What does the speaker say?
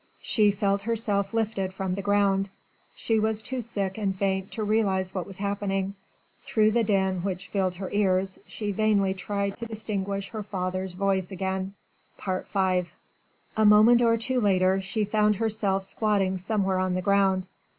She felt herself lifted from the ground she was too sick and faint to realise what was happening: through the din which filled her ears she vainly tried to distinguish her father's voice again. V A moment or two later she found herself squatting somewhere on the ground.